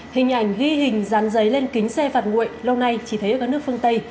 hình ảnh ghi hình dán giấy lên kính xe phạt nguội lâu nay chỉ thấy ở các nước phương tây